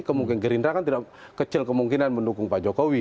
kemungkinan gerindra kan tidak kecil kemungkinan mendukung pak jokowi